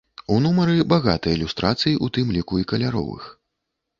У нумары багата ілюстрацый, у тым ліку і каляровых.